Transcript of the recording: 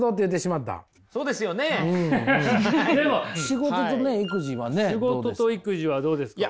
仕事とね育児はねどうですか？